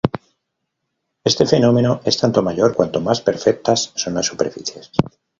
Este fenómeno es tanto mayor cuanto más perfectas son las superficies.